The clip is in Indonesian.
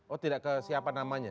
oh tidak ke siapa namanya